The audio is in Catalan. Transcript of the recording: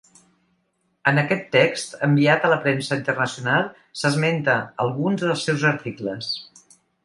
En aquest text enviat a la premsa internacional s’esmenta alguns dels seus articles.